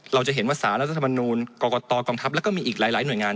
เราจะเห็นว่าสารรัฐธรรมนูลกรกตกองทัพแล้วก็มีอีกหลายหน่วยงาน